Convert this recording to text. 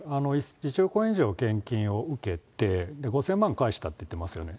１億円以上献金を受けて、５０００万返したって言ってますよね。